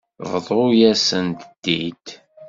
Bḍu-yasen-t-id.